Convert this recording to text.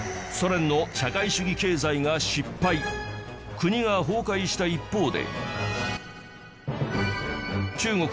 国が崩壊した一方で